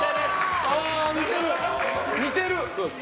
似てる！